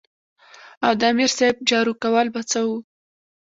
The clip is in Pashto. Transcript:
او د امیر صېب جارو کول به څۀ وو ـ